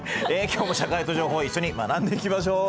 今日も「社会と情報」一緒に学んでいきましょう。